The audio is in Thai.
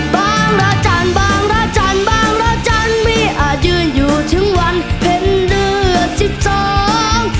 บางระจันทร์บางระจันทร์บางระจันทร์ไม่อาจยืนอยู่ถึงวันเพ็ญเดือนสิบสอง